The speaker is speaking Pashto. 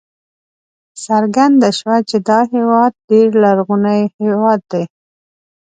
څرګنده شوه چې دا هېواد ډېر لرغونی هېواد دی.